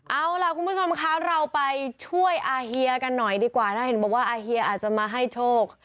เอาล่ะคุณผู้ชมคะเราไปช่วยอาเฮียกันหน่อยดีกว่านะเห็นบอกว่าอาเฮียอาจจะมาให้โชค